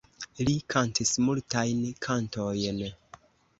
Li kantis multajn kantojn.